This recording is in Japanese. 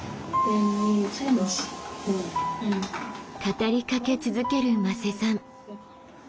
語りかけ続ける馬瀬さん。